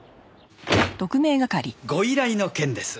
ご依頼の件です。